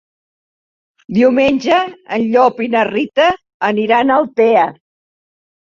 Diumenge en Llop i na Rita aniran a Altea.